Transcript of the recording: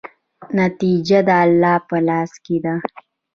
نتیجه د الله په لاس کې ده.